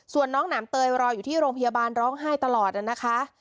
ส่วนน้องหนามเตยรออยู่ที่โรงพยาบาลร้องไห้ตลอดนะคะ